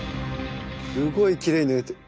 すごいきれいに塗れてる。